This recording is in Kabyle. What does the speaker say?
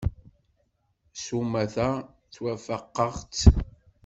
S umata, ttwafaqeɣ-tt.